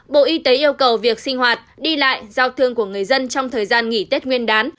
bộ y tế yêu cầu việc sinh hoạt đi lại giao thương của người dân trong thời gian nghỉ tết nguyên đán